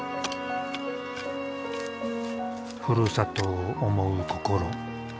ふるさとを思う心。